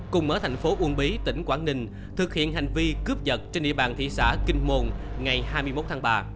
cùng ở thành phố uông bí tỉnh quảng ninh thực hiện hành vi cướp giật trên địa bàn thị xã kinh môn ngày hai mươi một tháng ba